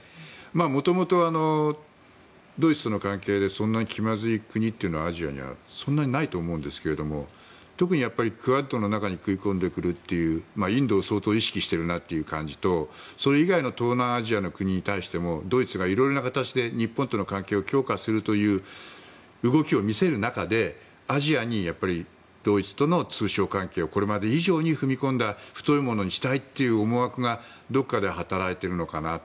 元々、ドイツとの関係でそんなに気まずい国というのはアジアにはそんなにないと思うんですけど特にクアッドの中に食い込んでくるというインドを相当意識しているなという感じとそれ以外の東南アジアの国々に対してもドイツが色々な形で日本との関係を強化するという動きを見せる中でアジアに、ドイツとの通商関係をこれまで以上に踏み込んだ太いものにしたいっていう思惑がどこかで働いているのかなと。